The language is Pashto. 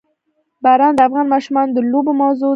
باران د افغان ماشومانو د لوبو موضوع ده.